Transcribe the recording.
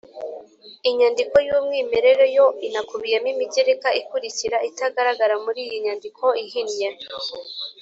inyandiko y'umwimerere yo inakubiyemo imigereka ikurikira itagaragara muri iyi nyandiko ihinnye